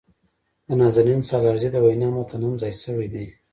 د نازنین سالارزي د وينا متن هم ځای شوي دي.